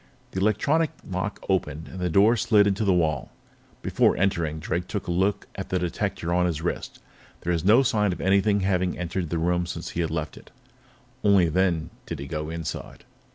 The electronic lock opened, and the door slid into the wall. Before entering, Drake took a look at the detector on his wrist. There was no sign of anything having entered the room since he had left it. Only then did he go inside.